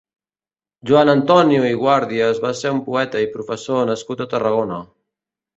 Joan Antònio i Guàrdias va ser un poeta i professor nascut a Tarragona.